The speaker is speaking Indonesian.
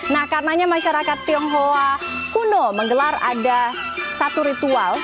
nah karenanya masyarakat tionghoa kuno menggelar ada satu ritual